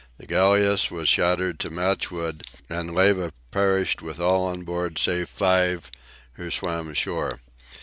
The galleass was shattered to matchwood, and Leyva perished with all on board save five who swam ashore.